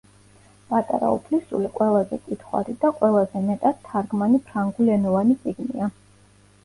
პატარა უფლისწული ყველაზე კითხვადი და ყველაზე მეტად თარგმანი ფრანგულენოვანი წიგნია.